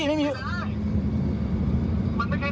มันไม่ใช่หน้าที่ของเขา